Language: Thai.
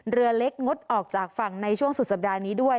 เรือเล็กงดออกจากฝั่งในช่วงสุดสัปดาห์นี้ด้วย